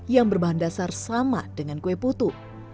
yang berbahan dasar sama dengan kue putu